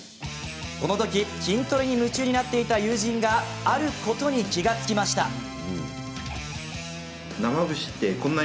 このとき筋トレに夢中になっていた友人があることに気がつきました。